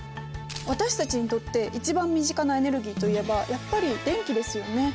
私たちにとって一番身近なエネルギーといえばやっぱり電気ですよね。